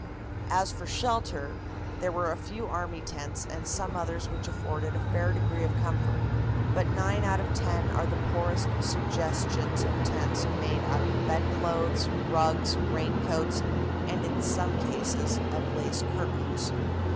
As for shelter, there were a few army tents and some others which afforded a fair degree of comfort, but nine out of ten are the poorest suggestions of tents made out of bedclothes, rugs, raincoats and in some cases of lace curtains.